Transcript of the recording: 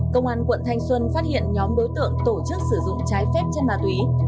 công an quận thanh xuân phát hiện nhóm đối tượng tổ chức sử dụng trái phép chất ma túy